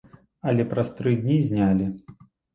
Але праз тры дні знялі.